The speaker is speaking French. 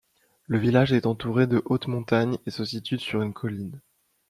Le village est entouré de hautes montagnes et se situe sur une colline.